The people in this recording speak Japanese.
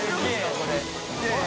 これ。